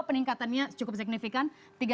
peningkatannya cukup signifikan